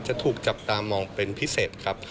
จะถูกจับตามองเป็นพิเศษครับ